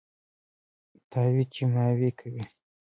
تاوې چې ماوې کوي.